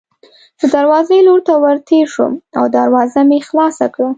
د دروازې لور ته ورتېر شوم او دروازه مې خلاصه کړه.